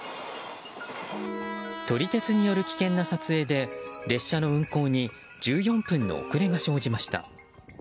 撮り鉄による危険な撮影で列車の運行に１４分の遅れが生じました。